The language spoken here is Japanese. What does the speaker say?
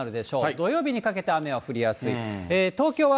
土曜日にかけて雨は降りやすい。